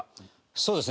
そうですね。